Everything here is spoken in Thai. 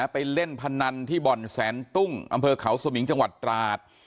ไปเล่นพนันที่บ่อนแสนตุ้งอำเภอเขาสมิงจังหวัดตราด